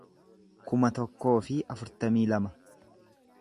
kuma tokkoo fi afurtamii lama